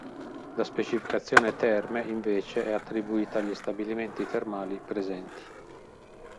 La specificazione "Terme" invece è attribuita agli stabilimenti termali presenti.